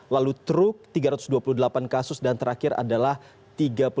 lalu truk tiga ratus dua puluh delapan kasus dan terakhir adalah tiga puluh delapan